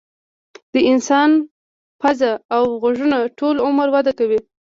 د انسان پوزه او غوږونه ټول عمر وده کوي.